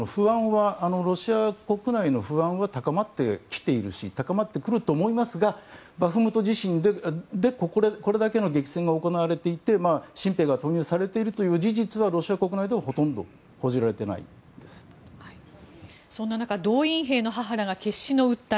ロシア国内の不安は高まってきているし高まってくると思いますがバフムト自身でこれだけの激戦が行われていて新兵が投入されているという事実はロシア国内でもほとんどそんな中、動員兵の母らが決死の訴え。